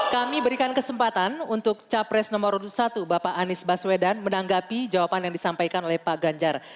kami berikan kesempatan untuk capres nomor satu bapak anies baswedan menanggapi jawaban yang disampaikan oleh pak ganjar